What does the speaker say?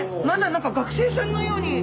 まだ何か学生さんのように。